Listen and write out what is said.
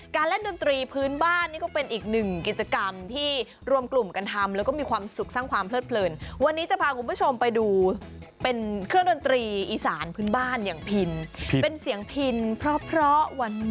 การเล่นดนตรีภื้นบ้านนี่ก็เป็นอีกนึงกิจกรรมที่รวมกลุ่มกันทำ